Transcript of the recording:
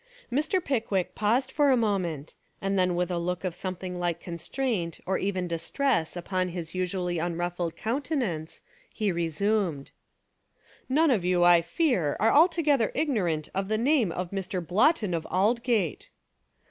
Mr. Pickwick paused for a moment, and then with a look of something like constraint or even distress upon his usually unruffled countenance, he resumed : 201 Essays and Literary Studies "None of you, I fear, are altogether igno rant of the name of Mr. Blotton of Aldgate."